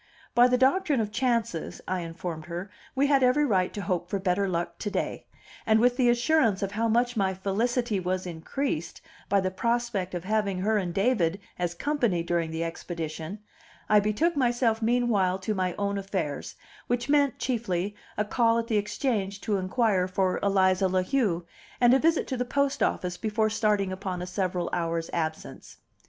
By the doctrine of chances, I informed her, we had every right to hope for better luck to day; and, with the assurance of how much my felicity was increased by the prospect of having her and David as company during the expedition, I betook myself meanwhile to my own affairs, which meant chiefly a call at the Exchange to inquire for Eliza La Heu, and a visit to the post office before starting upon a several hours' absence.